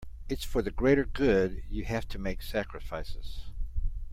It’s for the greater good, you have to make sacrifices.